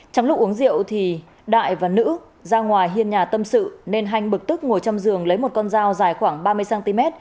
trong lúc uống rượu thì đại và nữ ra ngoài hiên nhà tâm sự nên hanh bực tức ngồi trong giường lấy một con dao dài khoảng ba mươi cm